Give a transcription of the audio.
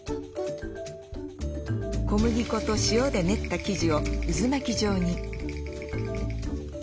小麦粉と塩で練った生地を渦巻き状に。